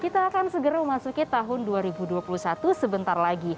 kita akan segera memasuki tahun dua ribu dua puluh satu sebentar lagi